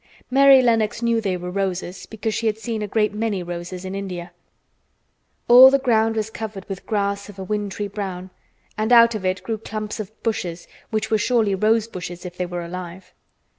Mary Lennox knew they were roses because she had seen a great many roses in India. All the ground was covered with grass of a wintry brown and out of it grew clumps of bushes which were surely rosebushes if they were alive.